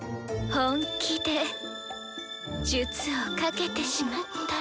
本気で術をかけてしまったら。